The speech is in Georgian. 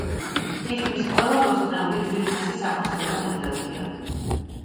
თითქმის ყველა ბოსტნეული ძვირფასი საკონსერვო ნედლეულია.